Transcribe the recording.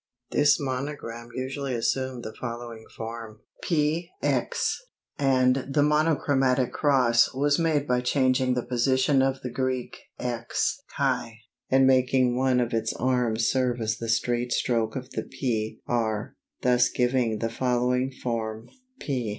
This monogram usually assumed the following form: ☧, and the "Monogrammatic Cross" was made by changing the position of the Greek X (chi), and making one of its arms serve as the straight stroke of the P (r), thus giving the following form: ⳨.